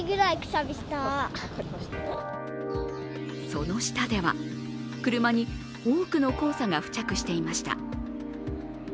その下では、車に多くの黄砂が付着していました。